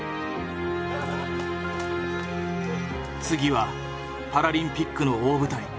次はパラリンピックの大舞台。